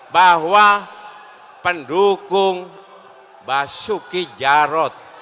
bahwa pendukung basuki jarod